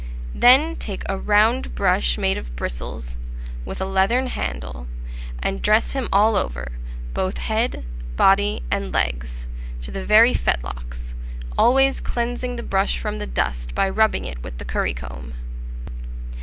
Then take a round brush made of bristles, with a leathern handle, and dress him all over, both head, body, and legs, to the very fetlocks, always cleansing the brush from the dust by rubbing it with the currycomb.